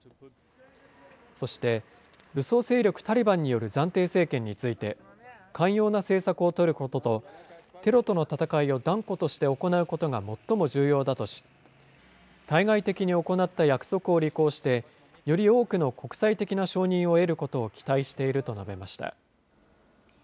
そして、武装勢力タリバンによる暫定政権について、寛容な政策を取ることとテロとの戦いを断固として行うことが最も重要だとし、対外的に行った約束を履行して、より多くの国際的な承認を得ることを期待していると述べました。